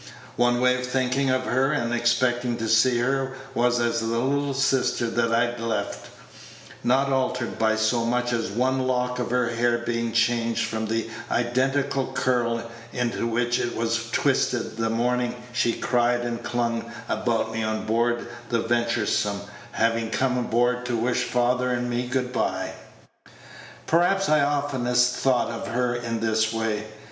One way of thinking of her, and expecting to see her, was as the little sister that I'd left, not altered by so much as one lock of her hair being changed from the identical curl into which it was twisted the morning she cried and clung about me on board the Ventur'some, having come aboard to wish father and me good by. Perhaps I oftenest thought of her in this way.